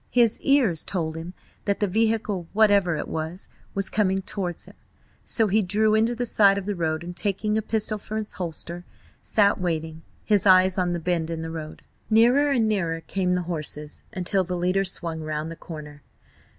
His ears told him that the vehicle, whatever it was, was coming towards him, so he drew into the side of the road, and taking a pistol from its holster, sat waiting, his eyes on the bend in the road. Nearer and nearer came the horses, until the leader swung round the corner.